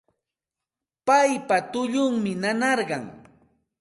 Paypa tullunmi nanarqan